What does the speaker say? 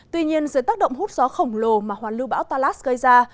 tuy nhiên dưới tác động hút gió khổng lồ mà hoàn lưu bão talas gây ra